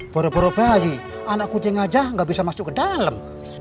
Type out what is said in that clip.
boroboro bayi anak kucing aja gak bisa masuk ke dalam